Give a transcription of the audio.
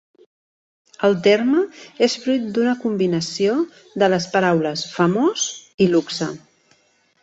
El terme és fruit d'una combinació de les paraules 'famós' i 'luxe'.